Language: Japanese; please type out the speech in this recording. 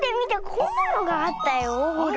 こんなのがあったよほら。